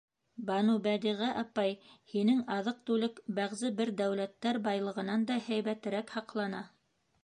— Банубәдиғә апай, һинең аҙыҡ-түлек бәғзе бер дәүләттәр байлығынан да һәйбәтерәк һаҡлана.